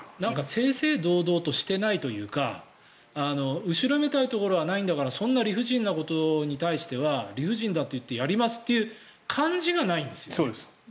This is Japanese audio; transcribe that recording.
正々堂々としていないというか後ろめたいところはないんだからそんな理不尽なことに対しては理不尽だって言ってやりますという感じがないんですよね。